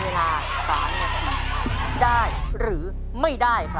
เวลา๓นาทีได้หรือไม่ได้ครับ